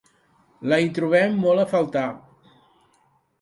La hi trobem molt a faltar.